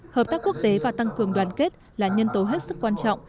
hợp tác quốc tế và tăng cường đoàn kết là nhân tố hết sức quan trọng